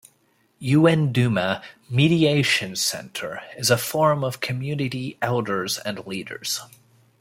Yuendumu Mediation Centre is a forum of Community elders and leaders.